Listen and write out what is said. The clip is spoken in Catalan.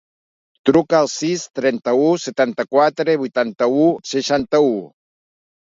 Truca al sis, trenta-u, setanta-quatre, vuitanta-u, seixanta-u.